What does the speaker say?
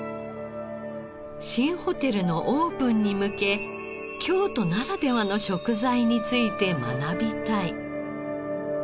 新ホテルのオープンに向け京都ならではの食材について学びたい。